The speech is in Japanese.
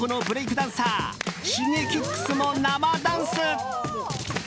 ダンサーＳｈｉｇｅｋｉｘも生ダンス。